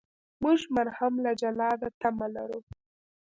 موږ مرهم له جلاده تمه لرو.